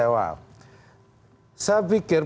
saya pikir pak prabowo yang gabung dengan